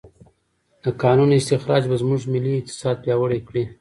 د کانونو استخراج به زموږ ملي اقتصاد پیاوړی کړي.